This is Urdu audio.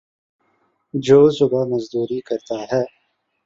جو صبح مزدوری کرتا ہے